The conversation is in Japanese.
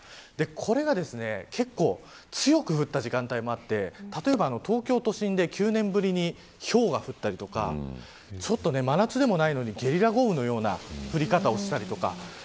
これが結構強く降った時間帯もあって例えば、東京都心で９年ぶりにひょうが降ったりとか真夏でもないのにゲリラ豪雨のような降り方をしたりとか。